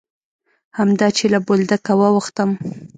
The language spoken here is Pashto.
همدا چې له بولدکه واوښتم.